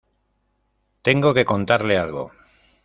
tengo que contarle algo.